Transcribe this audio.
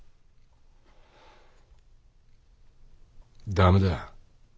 駄目だ。